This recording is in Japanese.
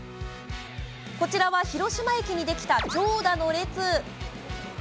こちらは、広島駅にできた長蛇の列。